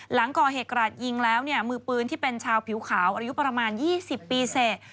หลังก่อเหตุกราดยิงแล้วเนี่ยมือปืนที่เป็นชาวผิวขาวอายุประมาณ๒๐ปีเสร็จ